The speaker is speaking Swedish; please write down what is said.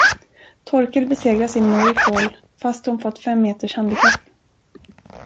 Torkel besegrar sin mor i crawl, fast hon fått fem meters handikapp.